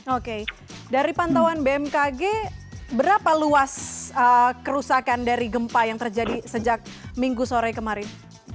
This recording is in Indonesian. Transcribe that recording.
oke dari pantauan bmkg berapa luas kerusakan dari gempa yang terjadi sejak minggu sore kemarin